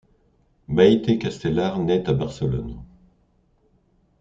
Maite Castellar naît à Barcelone.